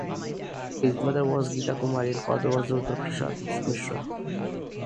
His mother was Geeta Kumari and father was Rudra Prasad Mishra.